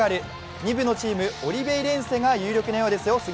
２部のチーム、オリヴェイレンセが有力のようですよ。